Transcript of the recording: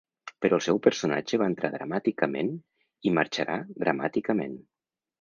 Però el seu personatge va entrar dramàticament, i marxarà dramàticament.